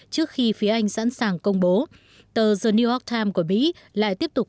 trước khi phía anh sẵn sàng công bố tờ the new york times của mỹ lại tiếp tục